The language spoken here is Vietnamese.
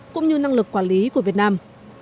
cũng như năng lực quản lý của việt nam